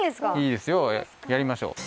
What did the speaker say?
いいですよやりましょう。